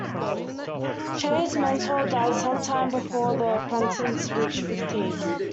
Chade's mentor died some time before the apprentice reached fifteen.